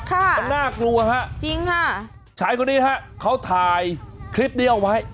ค่ะจริงค่ะมันน่ากลัวครับชายคนนี้ครับเขาถ่ายคลิปนี้เอาไว้